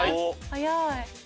早い！